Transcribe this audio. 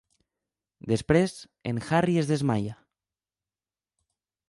Després, en Harry es desmaia.